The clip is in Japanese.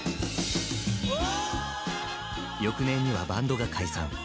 翌年にはバンドが解散。